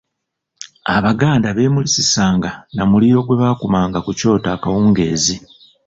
Abaganda beemulisisanga na muliro gwe bakumanga ku kyoto akawungeezi.